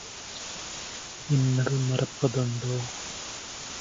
இன்னல் மறப்ப துண்டோ?"